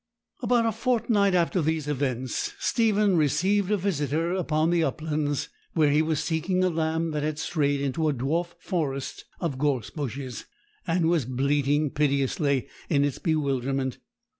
About a fortnight after these events Stephen received a visitor upon the uplands, where he was seeking a lamb that had strayed into a dwarf forest of gorse bushes, and was bleating piteously in its bewilderment.